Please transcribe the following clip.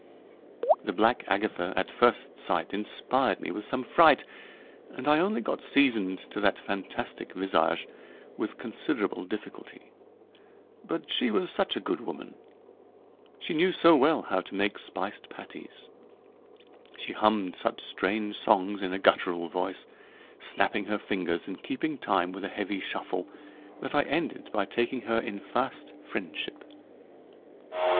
The black Agatha at first sight inspired me with some fright, and I only got seasoned to that fantastic visage with considerable difficulty; but she was such a good woman she knew so well how to make spiced patties, she hummed such strange songs in a guttural voice, snapping her fingers and keeping time with a heavy shuffle, that I ended by taking her in fast friendship.